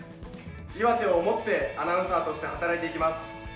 岩手を思ってアナウンサーとして働いていきます。